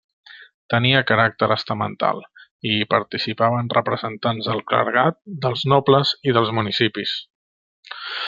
Tenia caràcter estamental i hi participaven representants del clergat, dels nobles i dels municipis.